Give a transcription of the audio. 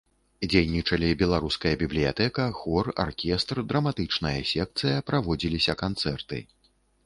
Дзейнічалі беларуская бібліятэка, хор, аркестр, драматычная секцыя, праводзіліся канцэрты.